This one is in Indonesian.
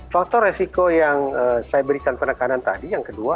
faktor resiko yang saya berikan penekanan tadi yang kedua